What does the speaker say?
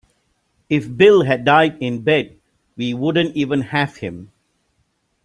If Bill had died in bed we wouldn't even have him.